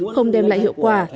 không đem lại hiệu quả